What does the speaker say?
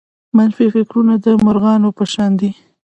منفي فکرونه د مرغانو په شان دي.